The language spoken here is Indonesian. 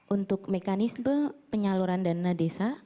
untuk mekanisme penyaluran dana desa